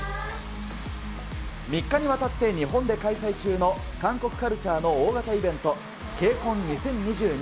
３日にわたって日本で開催中の韓国カルチャーの大型イベント、ケイコン２０２２。